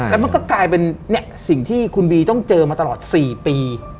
แล้วมันก็กลายเป็นสิ่งที่คุณบีต้องเจอมาตลอด๔ปี